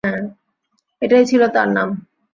এটাই ছিল তার নাম।